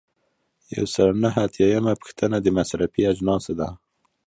یو سل او نهه اتیایمه پوښتنه د مصرفي اجناسو ده.